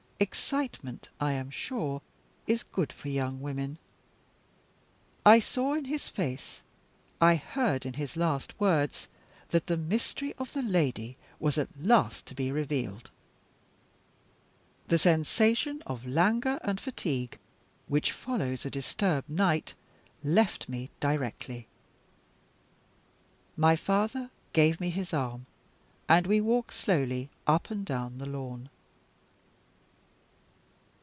Excitement, I am sure, is good for young women. I saw in his face, I heard in his last words, that the mystery of the lady was at last to be revealed. The sensation of languor and fatigue which follows a disturbed night left me directly. My father gave me his arm, and we walked slowly up and down the lawn.